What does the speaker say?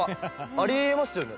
あり得ますよね